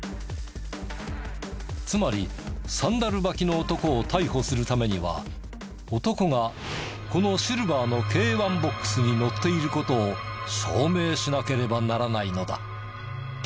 つまりサンダル履きの男を逮捕するためには男がこのシルバーの軽ワンボックスに乗っている事を証明しなければならないのだ。